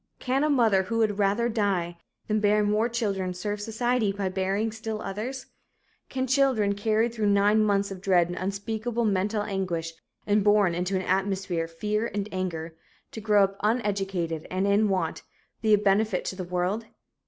Can a mother who would "rather die" than bear more children serve society by bearing still others? Can children carried through nine months of dread and unspeakable mental anguish and born into an atmosphere of fear and anger, to grow up uneducated and in want, be a benefit to the world?